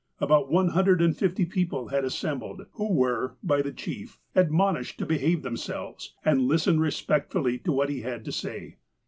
About one hundred and fifty people had as sembled, who were, by the chief, admonished to behave themselves, and listen respectfully to what he had to say.